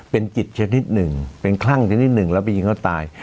เป็นจิตชนิดหนึ่งเป็นคลั่งชนิดหนึ่งแล้วไปยิงเขาตาย